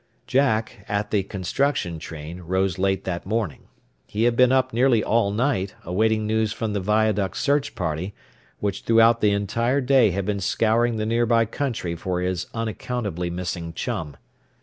Jack, at the construction train, rose late that morning. He had been up nearly all night, awaiting news from the viaduct search party, which throughout the entire day had been scouring the nearby country for his unaccountably missing chum.